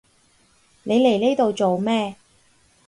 你嚟呢度做咩？